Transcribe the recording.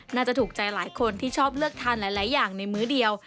น่าจะถูกใจหลายคนที่ชอบเลือกทานหลายอย่างในมื้อเดียว